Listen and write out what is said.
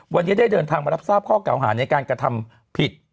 วันนี้ได้เดินทางมารับทราบข้อเก่าหาในการกระทำผิด